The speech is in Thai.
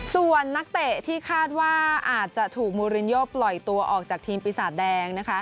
ส่วนนักเตะที่คาดว่าอาจจะถูกมูลินโยปล่อยตัวออกจากทีมปีศาจแดง